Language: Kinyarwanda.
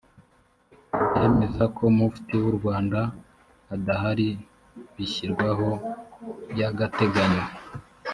ibyemeza ko mufti w u rwanda adahari bishyirwaho by agateganyo